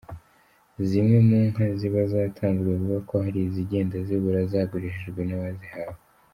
Zimwe mu nka ziba zatanzwe bivugwa ko hari izigenda zibura zagurishijwe n’ abazihawe.